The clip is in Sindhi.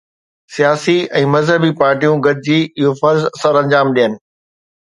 سياسي ۽ مذهبي پارٽيون گڏجي اهو فرض سرانجام ڏين.